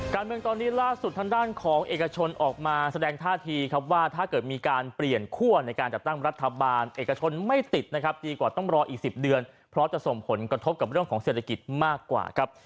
การเมืองตอนนี้ล่าสุดทางด้านของเอกชนออกมาแสดงท่าทีครับว่าถ้าเกิดมีการเปลี่ยนคั่วในการจัดตั้งรัฐบาลเอกชนไม่ติดนะครับดีกว่าต้องรออีก๑๐เดือนเพราะจะส่งผลกระทบกับเรื่องของเศรษฐกิจมากกว่าครับ